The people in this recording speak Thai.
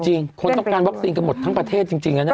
จริงคนต้องการวัคซีนกันหมดทั้งประเทศจริงอ่ะเนี่ย